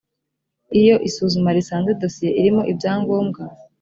iyo isuzuma risanze dosiye irimo ibyangombwa